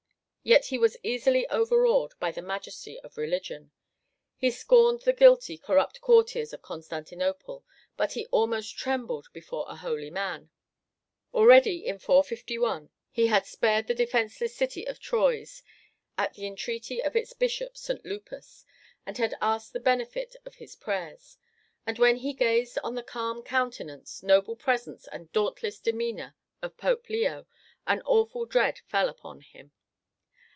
Yet he was easily overawed by the majesty of religion. He scorned the guilty, corrupt courtiers of Constantinople, but he almost trembled before a holy man. Already in 451 he had spared the defenceless city of Troyes at the entreaty of its bishop, St. Lupus, and had asked the benefit of his prayers. And when he gazed on the calm countenance, noble presence, and dauntless demeanor of Pope Leo, an awful dread fell upon him.